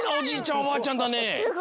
おばあちゃんだね！